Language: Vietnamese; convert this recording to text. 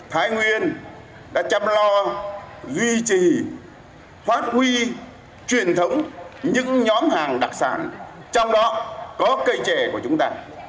thái nguyên đã chăm lo duy trì phát huy truyền thống những nhóm hàng đặc sản trong đó có cây trẻ của chúng ta